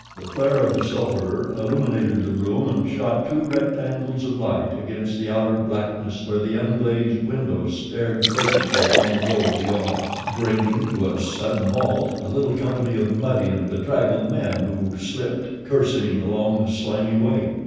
The flare of the sulphur illuminated the room and shot two rectangles of light against the outer blackness where the unglazed windows stared vacantly upon the road beyond, bringing to a sudden halt a little company of muddy and bedraggled men who slipped, cursing, along the slimy way.